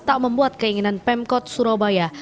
tak membuat keinginan pemkot surabaya